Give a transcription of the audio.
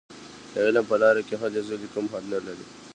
د علم په لاره کې هلې ځلې کوم حد نه لري.